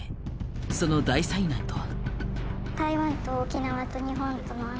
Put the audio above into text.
その大災難とは？